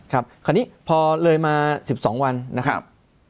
คราวนี้พอเลยมา๑๒วันนะครับ